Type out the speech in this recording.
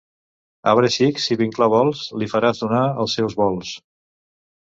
Arbre xic si vinclar vols, li faràs donar els seus volts.